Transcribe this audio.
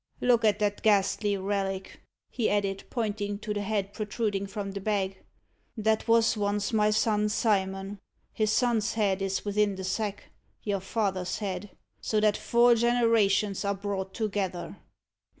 Look at that ghastly relic," he added, pointing to the head protruding from the bag: "that was once my son Simon. His son's head is within the sack your father's head so that four generations are brought together."